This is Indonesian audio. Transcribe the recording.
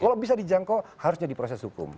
kalau bisa dijangkau harusnya di proses hukum